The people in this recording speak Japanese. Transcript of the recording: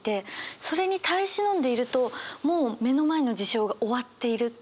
それに耐え忍んでいるともう目の前の事象が終わっているって。